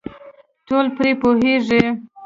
ټول پرې پوهېږي .